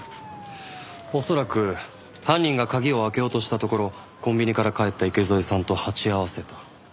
恐らく犯人が鍵を開けようとしたところコンビニから帰った池添さんと鉢合わせた。